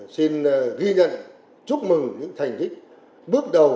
xin ghi nhận chúc mừng những thành tích bước đầu